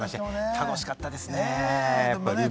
楽しかったですね。